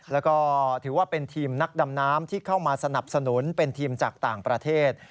แล้วก็ถือว่าเป็นทีมนักดำน้ำที่เข้ามาสนับสนุนเป็นทีมจากต่างประเทศ